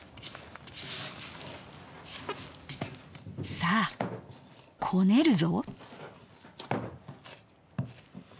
さあこねるぞ！